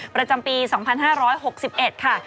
ประจำปี๒๕๖๑ค่ะ